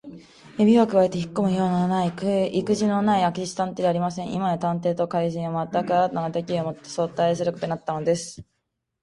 指をくわえてひっこむようないくじのない明智探偵ではありません。今や探偵と怪人とは、まったく新たな敵意をもって相対することになったのです。